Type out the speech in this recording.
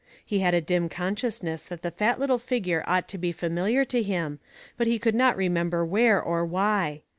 He had a dim consciousness that the fat little figure ought to be familiar to him, but he could not re member where or why.